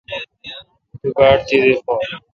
تو باڑ تیدی خور۔